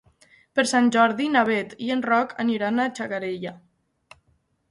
Per Sant Jordi na Bet i en Roc aniran a Xacarella.